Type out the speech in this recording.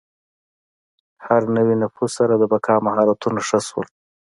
هر نوي نفوذ سره د بقا مهارتونه ښه شول.